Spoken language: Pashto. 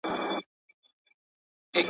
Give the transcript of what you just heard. ږغ د پاولیو شرنګ د بنګړیو .